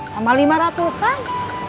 sama lima ratusan